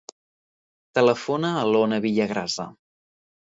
Telefona a l'Ona Villagrasa.